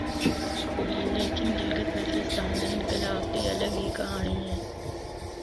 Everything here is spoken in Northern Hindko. لیکن گلگت بلتستان دے انقلاب دی الگ ہی کہانڑی ہے۔